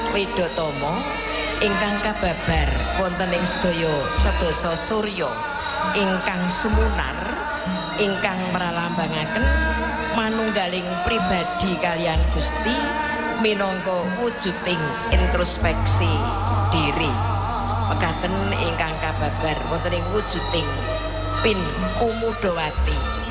mekaten ingkang kababar banteng wujuting pin kumuduwati